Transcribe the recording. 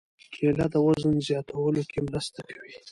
کېله د وزن زیاتولو کې مرسته کوي.